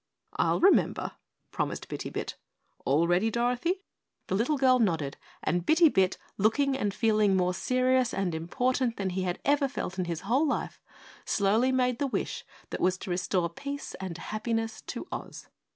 "I'll remember!" promised Bitty Bit. "All ready, Dorothy?" The little girl nodded and Bitty Bit, looking and feeling more serious and important than he had ever felt in his whole little life, slowly made the wish that was to restore peace and happiness to Oz.